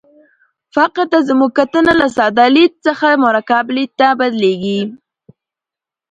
فقر ته زموږ کتنه له ساده لید څخه مرکب لید ته بدلېږي.